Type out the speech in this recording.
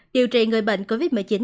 điều trị người bệnh covid một mươi chín